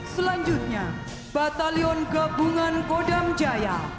selanjutnya batalion gabungan kodam jaya